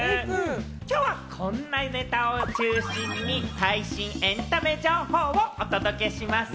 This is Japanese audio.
きょうはこんなネタを中心に最新エンタメ情報をお届けします。